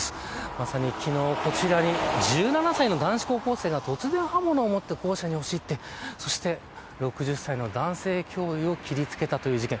まさに昨日、こちらに１７歳の男子高校生が突然刃物を持って校舎に押し入ってそして６０歳の男性教諭を切りつけたという事件。